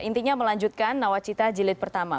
intinya melanjutkan nawacita jilid pertama